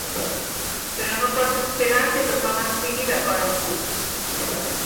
Però no pots esperar que tothom estigui d'acord amb tu.